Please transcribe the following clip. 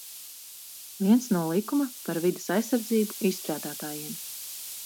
"Viens no likuma "Par vides aizsardzību" izstrādātājiem."